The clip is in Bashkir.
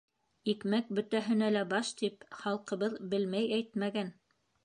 — Икмәк бөтәһенә лә баш, тип, халҡыбыҙ белмәй әйтмәгән.